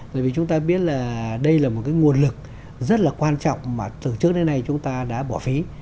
bởi vì chúng ta biết là đây là một cái nguồn lực rất là quan trọng mà từ trước đến nay chúng ta đã bỏ phí